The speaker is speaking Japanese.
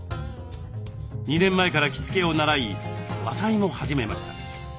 ２年前から着付けを習い和裁も始めました。